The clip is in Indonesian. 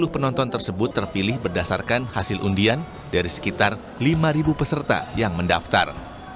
sepuluh penonton tersebut terpilih berdasarkan hasil undian dari sekitar lima peserta yang mendaftar